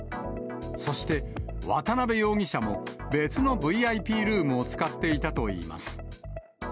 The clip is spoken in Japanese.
そして、渡辺容疑者も別のＶＩＰルームを使っていたといいます。